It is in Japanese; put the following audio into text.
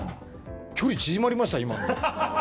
距離が縮まりました、今ので。